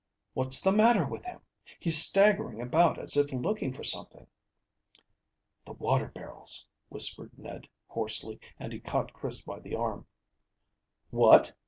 What's the matter with him? He's staggering about as if looking for something." "The water barrels," whispered Ned hoarsely, and he caught Chris by the arm. "What!